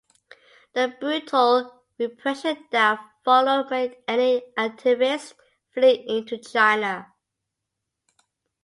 The brutal repression that followed made many activists flee into China.